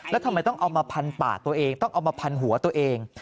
แล้วทำไมต้องเอามาพันป่าตัวเองต้องเอามาพันหัวตัวเอง